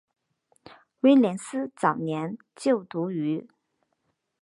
威廉斯早年就读于。